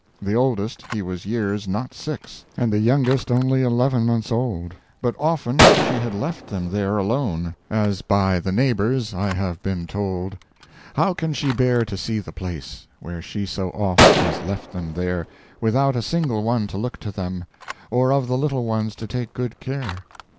The oldest he was years not six, And the youngest only eleven months old, But often she had left them there alone, As, by the neighbors, I have been told. How can she bear to see the place, Where she so oft has left them there, Without a single one to look to them, Or of the little ones to take good care.